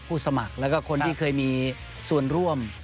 สมัครแล้วก็คนที่เคยมีส่วนร่วม